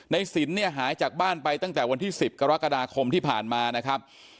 สินเนี่ยหายจากบ้านไปตั้งแต่วันที่๑๐กรกฎาคมที่ผ่านมานะครับ